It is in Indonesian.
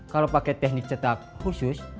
kalau pakai teknik cetak khusus